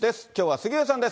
きょうは杉上さんです。